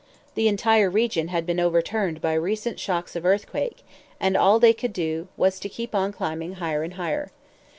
The entire region had been overturned by recent shocks of earthquake, and all they could do was to keep on climbing higher and higher.